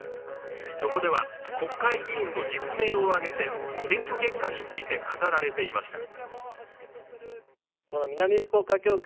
そこでは国会議員の実名を挙げて選挙結果について語られていました。